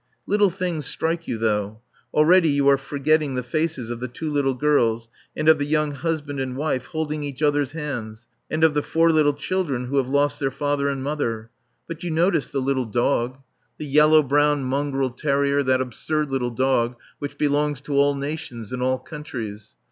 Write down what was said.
Little things strike you, though. Already you are forgetting the faces of the two little girls and of the young husband and wife holding each other's hands, and of the four little children who have lost their father and mother, but you notice the little dog, the yellow brown mongrel terrier, that absurd little dog which belongs to all nations and all countries.